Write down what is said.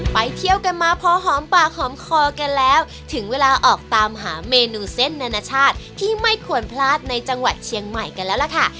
ไปเที่ยวกันมาพอหอมปากหอมคอกันแล้วถึงเวลาออกตามหาเมนูเส้นนานาชาติที่ไม่ควรพลาดในจังหวัดเชียงใหม่กันแล้วล่ะค่ะ